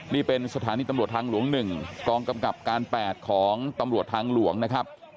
นี่เป็นสถานีตำรวจทางหลวง๑กองกำกับการ๘ของตำรวจทางหลวงนะครับ